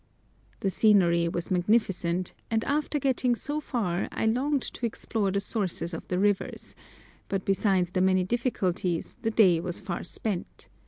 The scenery was magnificent, and after getting so far I longed to explore the sources of the rivers, but besides the many difficulties the day was far spent.